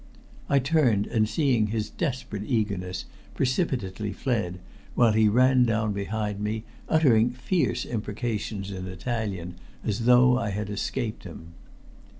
I turned, and seeing his desperate eagerness, precipitately fled, while he ran down behind me, uttering fierce imprecations in Italian, as though I had escaped him.